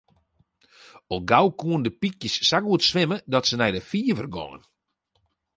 Al gau koenen de pykjes sa goed swimme dat se nei de fiver gongen.